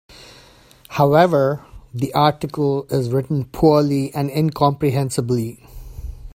However, the article is written poorly and incomprehensibly.